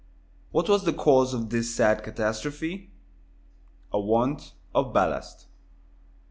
What was the cause of this sad catastrophe? A want of ballast.